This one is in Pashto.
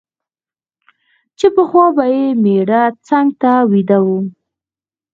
چي پخوا به یې مېړه څنګ ته ویده وو